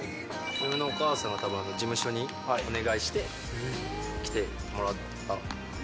義理のお母さんが事務所にお願いして、来てもらった。